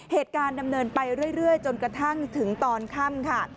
เหตุการณ์ดำเนินไปเรื่อยจนกระทั่งถึงตอนข้ำค่ะ